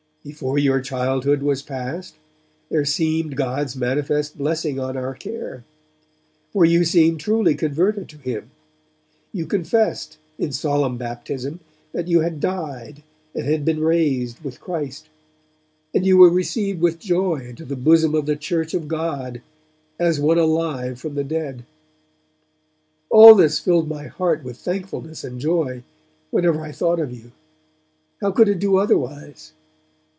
'Before your childhood was past, there seemed God's manifest blessing on our care; for you seemed truly converted to Him; you confessed, in solemn baptism, that you had died and had been raised with Christ; and you were received with joy into the bosom of the Church of God, as one alive from the dead. 'All this filled my heart with thankfulness and joy, whenever I thought of you: how could it do otherwise?